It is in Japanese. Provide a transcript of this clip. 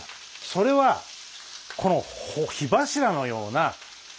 それはこの火柱のような中華。